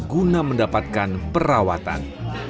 guna mendapatkan perawatan